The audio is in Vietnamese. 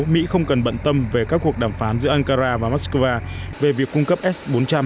mỹ không cần bận tâm về các cuộc đàm phán giữa ankara và moscow về việc cung cấp s bốn trăm linh